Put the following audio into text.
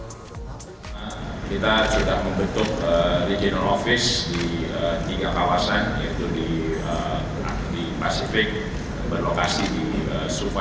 kita sudah membentuk regional office di tiga kawasan yaitu di pasifik berlokasi di supa